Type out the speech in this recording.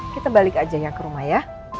kita balik aja ya ke rumah ya